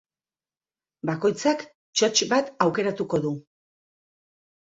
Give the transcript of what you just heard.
Bakoitzak txotx bat aukeratuko du.